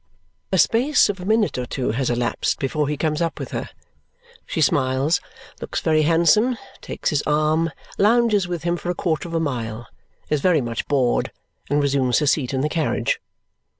A space of a minute or two has elapsed before he comes up with her. She smiles, looks very handsome, takes his arm, lounges with him for a quarter of a mile, is very much bored, and resumes her seat in the carriage.